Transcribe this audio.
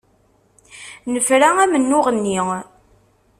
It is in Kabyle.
Nefra amennuɣ-nni.